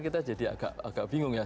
kita jadi agak bingung ya